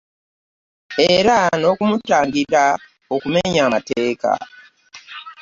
Era n'okumutangira okumenya amateeka